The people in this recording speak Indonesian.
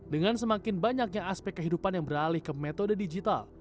dengan semakin banyaknya aspek kehidupan yang beralih ke metode digital